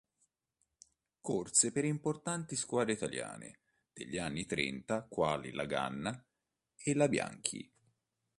Corse per importanti squadre italiane degli anni trenta quali la Ganna e la Bianchi.